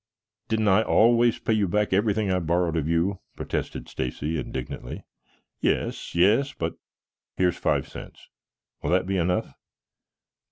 "Didn't I always pay you back everything I borrowed of you?" protested Stacy indignantly. "Yes, yes, but here's five cents. Will that be enough?"